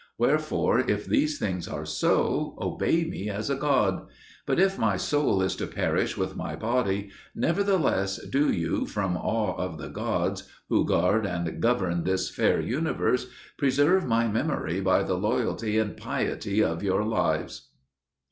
Wherefore, if these things are so, obey me as a god. But if my soul is to perish with my body, nevertheless do you from awe of the gods, who guard and govern this fair universe, preserve my memory by the loyalty and piety of your lives."